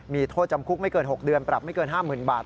มีโทษจำคุกไม่เกิน๖เดือนปรับไม่เกิน๕๐๐๐บาท